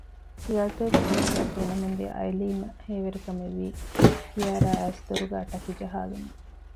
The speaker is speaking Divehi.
ޚިޔާލުތަކުގެ ތެރޭގައި ފީނަމުންދިޔަ އައިލީނަށް ހޭވެރިކަމެއްވީ ކިޔާރާާ އައިސް ދޮރުގައި ޓަކި ޖަހާލުމުން